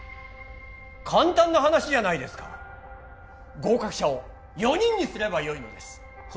簡単な話じゃないですか合格者を４人にすればよいのですそう